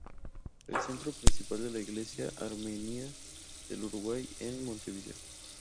El centro principal es la Iglesia Armenia del Uruguay en Montevideo.